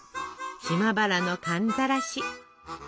島原の寒ざらし。